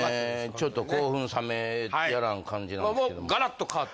ちょっと興奮冷めやらぬ感じなんですけどもまっ